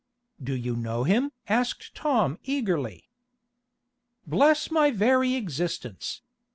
"Do you know him?" asked Tom eagerly. "Bless my very existence!